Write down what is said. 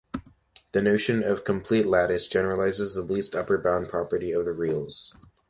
The notion of "complete lattice" generalizes the least-upper-bound property of the reals.